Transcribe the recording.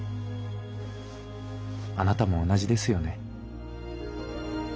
あなたも同じですよね。